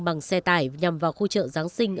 bằng xe tải nhằm vào khu chợ giáng sinh